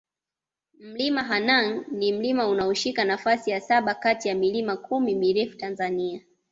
Mlima Hanang ni mlima unaoshika nafasi ya saba kati ya milima kumi mirefu Tanzania